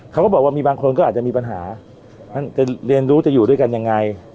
เขาก็บอกว่ามีบางคนก็อาจจะมีปัญหาจะเรียนรู้จะอยู่ด้วยกันยังไง